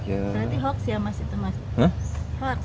berarti hoax ya mas itu mas